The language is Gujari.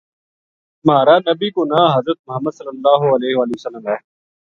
مہار نبی کو ناں حضر محمد ﷺ ہے